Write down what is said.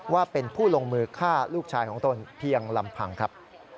ว่าเป็นผู้ลงมือฆ่าลูกชายของตนเพียงลำพังครับ